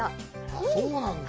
ああ、そうなんだ。